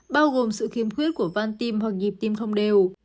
bao gồm sự khiếm khuyết của van tim hoặc nhịp tim không đều